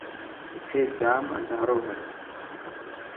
اٿي جام انڌارو هي.